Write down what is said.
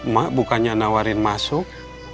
mak bukannya nawarin masuk